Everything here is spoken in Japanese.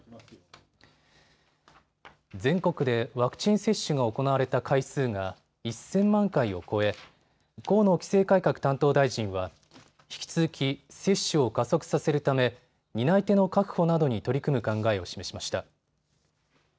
全国でワクチン接種が行われた回数が１０００万回を超え河野規制改革担当大臣は引き続き接種を加速させるため担い手の確保などに取り組む考えを示しました。